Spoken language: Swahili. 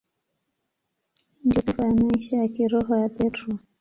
Ndiyo sifa ya maisha ya kiroho ya Petro.